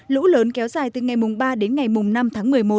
lũ lớn kéo dài từ ngày mùng ba đến ngày mùng năm tháng một mươi một